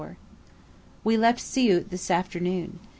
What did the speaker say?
We left Siout this afternoon.